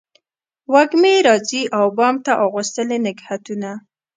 وږمې راځي و بام ته اغوستلي نګهتونه